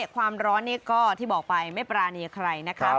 ความร้อนนี่ก็ที่บอกไปไม่ปรานีใครนะครับ